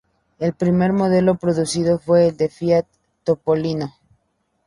El primer modelo producido fue el Fiat Topolino.